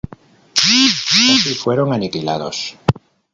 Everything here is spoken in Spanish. Casi fueron aniquilados.